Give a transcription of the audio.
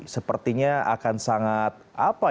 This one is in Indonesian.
sepertinya akan sangat apa